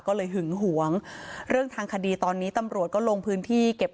ก็เลยหึงหวงเรื่องทางคดีตอนนี้ตำรวจก็ลงพื้นที่เก็บ